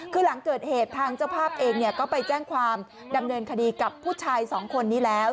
คือหลังเกิดเหตุทางเจ้าภาพเองก็ไปแจ้งความดำเนินคดีกับผู้ชายสองคนนี้แล้ว